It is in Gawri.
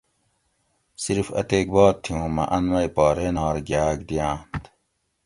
صرف اتیک بات تھی اُوں مہ ان مئ پا رینار گیاۤگ دیاۤنت